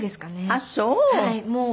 あっそう。